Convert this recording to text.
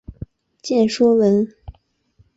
见说文。